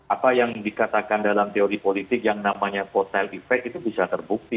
apa yang dikatakan dalam teori politik yang namanya potel efek itu bisa terbukti